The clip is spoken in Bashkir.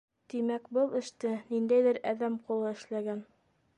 Тимәк, был эште ниндәйҙер әҙәм ҡулы эшләгән.